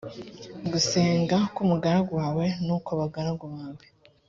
gusenga k umugaragu wawe n ukw abagaragu bawe